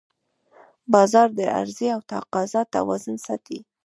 بازار د عرضې او تقاضا توازن ساتي